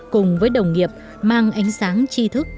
cùng với đồng nghiệp mang ánh sáng chi thức